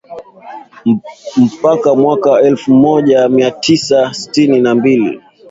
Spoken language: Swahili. mpaka Mwaka elfu moja mia tisa sitini na mbili